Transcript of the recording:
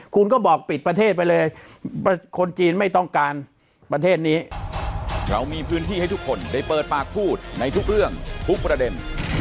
คุณก็บอกปิดประเทศไปเลย